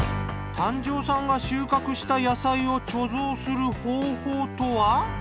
丹上さんが収穫した野菜を貯蔵する方法とは？